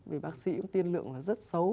vì bác sĩ tiên lượng rất xấu